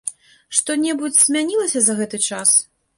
Што-небудзь змянілася за гэты час?